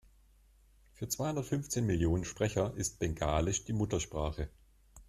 Für zweihundertfünfzehn Millionen Sprecher ist Bengalisch die Muttersprache.